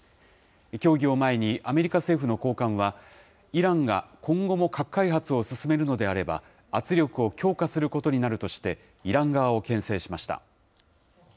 協議を前にアメリカ政府の高官は、イランが今後も核開発を進めるのであれば、圧力を強化することになるとして、イラン側をけん制しました。